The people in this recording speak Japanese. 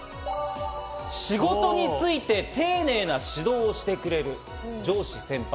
仕事について丁寧な指導をしてくれる上司・先輩。